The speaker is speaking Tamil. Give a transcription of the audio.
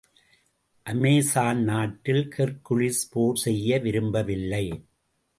அமெசான் நாட்டில் ஹெர்க்குலிஸ் போர் செய்ய விரும்பவில்லை.